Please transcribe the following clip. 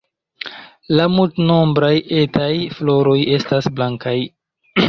La multnombraj etaj floroj estas blankaj.